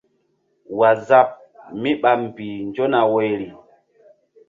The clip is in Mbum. Waazap mí ɓa mbih nzo na woyri.